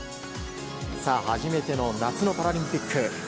さあ、初めての夏のパラリンピック。